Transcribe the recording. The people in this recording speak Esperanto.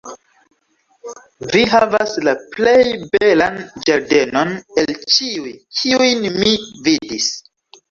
"Vi havas la plej belan ĝardenon el ĉiuj, kiujn mi vidis!"